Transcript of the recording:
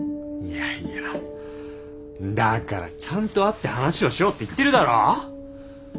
だからちゃんと会って話をしようって言ってるだろ。